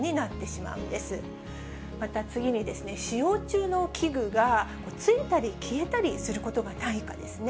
また、次にですね、使用中の器具が、ついたり消えたりすることがないかですね。